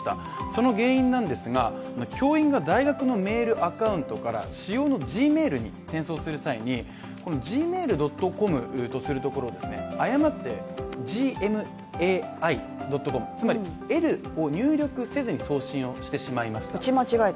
その原因なんですが教員が大学のメールアカウントから私用のＧｍａｉｌに転送する際に、ｇｍａｉｌ．ｃｏｍとするところを誤ってｇｍａｉ．ｃｏｍ、つまり「ｌ」を入力せずに送信してしまいました。